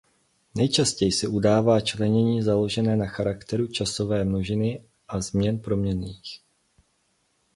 Nejčastěji se udává členění založené na charakteru časové množiny a změn proměnných.